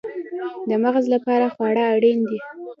د مغز لپاره خواړه اړین دي